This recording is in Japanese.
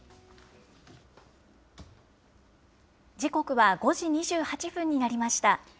時刻は５時２８分になりました。